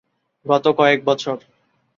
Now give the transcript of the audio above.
গত কয়েক বছর।